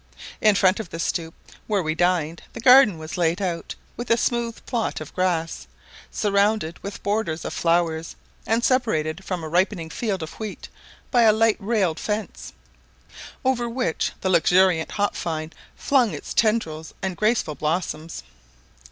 In front of the stoup, where we dined, the garden was laid out with a smooth plot of grass, surrounded with borders of flowers, and separated from a ripening field of wheat by a light railed fence, over which the luxuriant hop vine flung its tendrils and graceful blossoms.